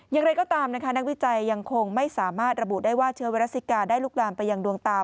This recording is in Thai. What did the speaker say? อย่างไรก็ตามนะคะนักวิจัยยังคงไม่สามารถระบุได้ว่าเชื้อไวรัสซิกาได้ลุกลามไปยังดวงตา